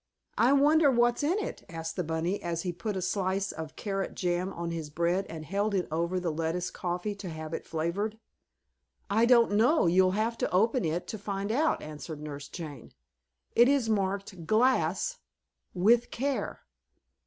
"I wonder what's in it?" asked the bunny as he put a slice of carrot jam on his bread and held it over the lettuce coffee to have it flavored. "I don't know. You'll have to open it to find out," answered Nurse Jane. "It is marked 'Glass. With Care.'"